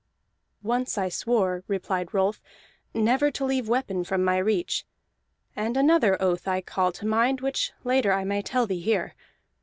"Once I swore," replied Rolf, "never to leave weapon from my reach. And another oath I call to mind, which later I may tell thee here.